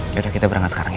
ya kita berangkat sekarang ya